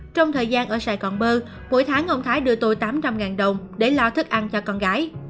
trong thời gian ở sài gòn bơ mỗi tháng ông thái đưa tôi tám trăm linh đồng để lo thức ăn cho con gái